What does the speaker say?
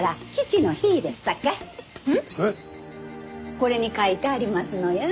これに書いてありますのや。